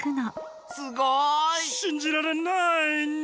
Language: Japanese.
すごい！しんじられないニャ。